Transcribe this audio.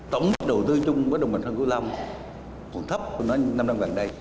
tổng đầu tư chung với đồng bằng sông kiểu long còn thấp hơn năm năm gần đây